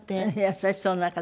優しそうな方。